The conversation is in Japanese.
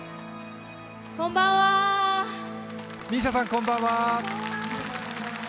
こんばんは。